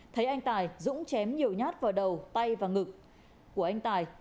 thấy anh tài dũng chém nhiều nhát vào đầu tay và ngực của anh tài